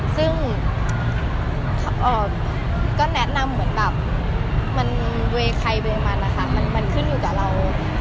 ซึ่งก็แนะนำเหมือนแบบมันเวย์ใครเวย์มันนะคะมันขึ้นอยู่กับเรา